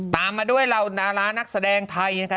ตามมาด้วยเหล่าดารานักแสดงไทยนะคะ